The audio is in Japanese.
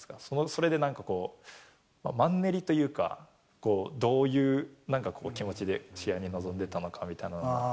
それでなんかこう、マンネリというか、どういう気持ちで試合に臨んでたのかなみたいな。